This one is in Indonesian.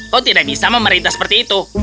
kok tidak bisa memerintah seperti itu